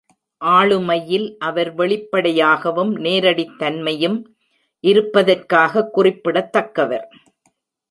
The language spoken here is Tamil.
ஆளுமையில் அவர் வெளிப்படையாகவும் நேரடித்தன்மையும் இருப்பதற்காக குறிப்பிடத்தக்கவர்.